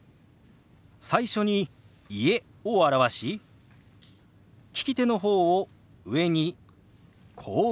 最初に「家」を表し利き手の方を上にこう動かします。